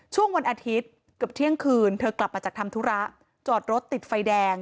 ช่วงวันอาทิตย์เกือบเที่ยงคืนเธอกลับมาจากทำธุระจอดรถติดไฟแดง